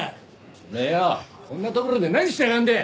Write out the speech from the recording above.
お前よこんな所で何してやがるんだよ！？